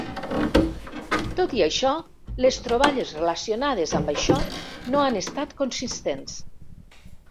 Tot i això, les troballes relacionades amb això no han estat consistents.